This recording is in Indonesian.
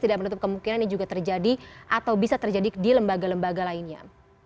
tidak menutup kemungkinan ini juga terjadi atau bisa terjadi di lembaga lembaga lainnya